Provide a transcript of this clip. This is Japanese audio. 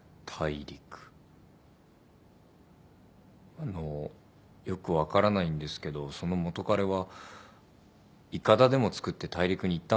あのよく分からないんですけどその元カレはいかだでも作って大陸に行ったんですか？